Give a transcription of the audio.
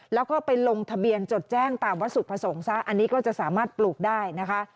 แล้วก็ไปลงทะเบียนจดแจ้งตามวัตถุประสงค์ซะอันนี้ก็จะสามารถปลูกได้นะคะ